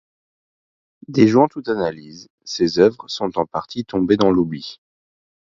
Déjouant toute analyse, ses œuvres sont en partie tombées dans l'oubli.